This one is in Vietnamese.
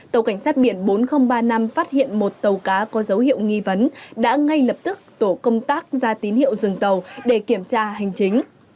tàu cảnh sát biển bốn nghìn ba mươi năm phát hiện một tàu cá có dấu hiệu nghi vấn đã ngay lập tức tổ công tác ra tín hiệu dừng tàu để kiểm tra hành chính